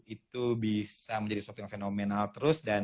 itu bisa menjadi sesuatu yang fenomenal terus